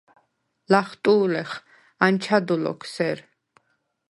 ლახტუ̄ლეხ: “ანჩადუ ლოქ სერ”.